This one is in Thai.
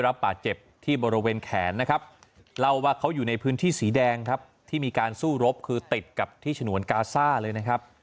เราว่าเขาอยู่ในพื้นที่สีแดงครับที่มีการสู้รบคือติดกับที่ฉนวนกาซ่าเลยนะครับ